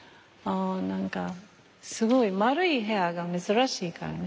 何かすごい円い部屋が珍しいからね。